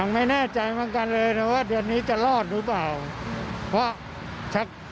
ไม่แน่ใจเหมือนกันเลยนะว่าเดือนนี้จะรอดหรือเปล่าเพราะชัก